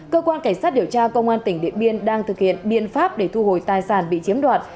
cơ quan cảnh sát điều tra công an tỉnh điện biên đang thực hiện biện pháp để thu hồi tài sản bị chiếm đoạt